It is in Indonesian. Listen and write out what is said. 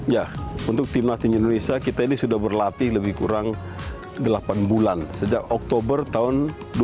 ya untuk tim nas tinju indonesia kita ini sudah berlatih lebih kurang delapan bulan sejak oktober tahun dua ribu tujuh belas